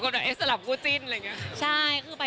โอเค